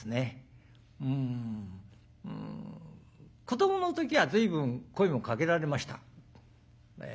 子どもの時は随分声もかけられました。